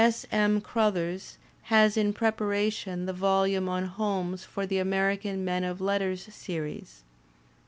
S. M. Crothers has in pieparation the volume on Holmes for the American Men of Letters Series.